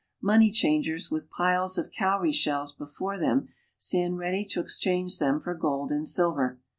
Money changers, Unith piles of cowrie shells before them, stand ready to ex change them for gold and silver.